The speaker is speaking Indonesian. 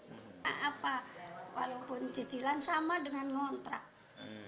nah apa walaupun cicilan sama dengan ngontrak